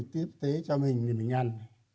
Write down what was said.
tiếp tế cho mình thì mình ăn